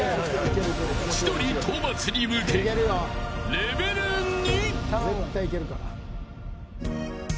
千鳥討伐に向け、レベル２。